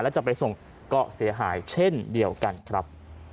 แล้วจะไปส่งก็เสียหายเช่นเดียวกันครับ